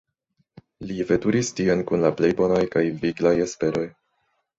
Li veturis tien kun la plej bonaj kaj viglaj esperoj.